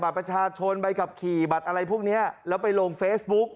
ประชาชนใบขับขี่บัตรอะไรพวกเนี้ยแล้วไปลงเฟซบุ๊ก